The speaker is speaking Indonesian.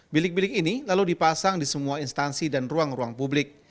bilik bilik ini lalu dipasang di semua instansi dan ruang ruang publik